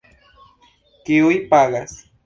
Kiuj pagas?